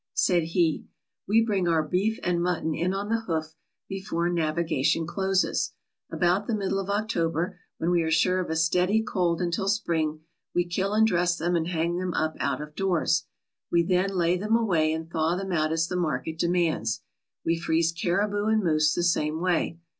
Said he: "We bring our beef and mutton in on the hoof before navigation closes. About the middle of October, when we are sure of a steady cold until spring, we kill and dress them and hang them up out of doors. We then lay them away and thaw them out as the market demands. We freeze caribou and moose the same way.